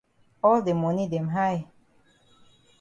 All de moni dem high.